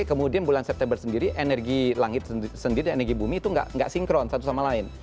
kemudian bulan september sendiri energi langit sendiri energi bumi itu nggak sinkron satu sama lain